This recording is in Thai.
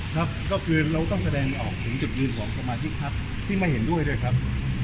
ครับก็คือเราต้องแสดงออกถึงจุดยืนของสมาชิกพักที่ไม่เห็นด้วยด้วยครับ